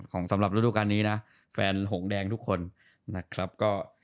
สำหรับฤดูการนี้นะแฟนหงแดงทุกคนนะครับก็